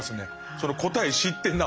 その答え知ってなお。